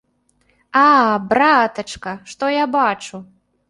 А, братачка, што я бачу!